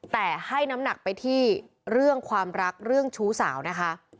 แต่ให้น้ำหนักไปที่เรื่องความรักเรื่องชู้สาวนะคะ